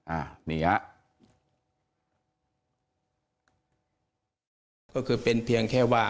อ่าเนี่ย